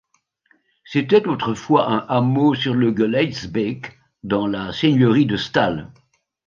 C'était autrefois un hameau sur le Geleytsbeek, dans la seigneurie de Stalle.